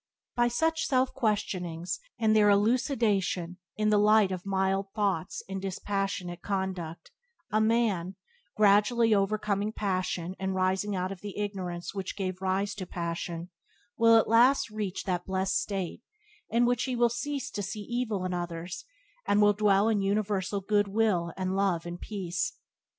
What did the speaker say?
By such self questionings and their elucidation in the light of mild thoughts and dispassionate conduct a man, gradually overcoming passion and rising out of the ignorance which gave rise to passion, will at last reach that blessed state in which he will cease to see evil in others, and will dwell in universal good will and love and peace.